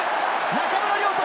中村亮土。